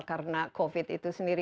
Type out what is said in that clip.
karena covid itu sendiri